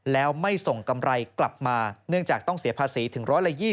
แล้วไม่ส่งกำไรกลับมาเนื่องจากต้องเสียภาษีถึง๑๒๐